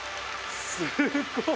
すっごい。